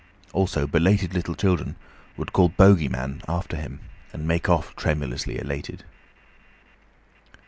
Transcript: Also belated little children would call "Bogey Man!" after him, and make off tremulously elated.